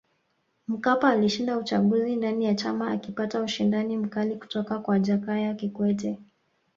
Mkapa alishinda uchaguzi ndani ya chama akipata ushindani mkali kutoka kwa Jakaya Kikwete